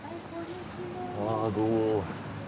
ああどうも。